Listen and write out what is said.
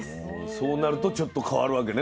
そうなるとちょっと変わるわけね